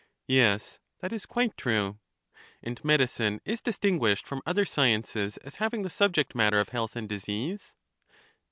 Yes; that is quite true. And medicine is distinguished from other sciences as having the subject matter of health and disease?